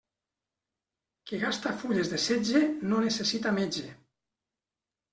Qui gasta fulles de setge no necessita metge.